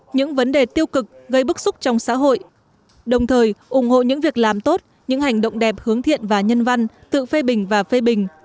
những vấn đề tiêu cực gây bức xúc trong xã hội đồng thời ủng hộ những việc làm tốt những hành động đẹp hướng thiện và nhân văn tự phê bình và phê bình